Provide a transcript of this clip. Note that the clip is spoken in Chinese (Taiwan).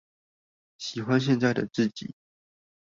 喜歡現在的自己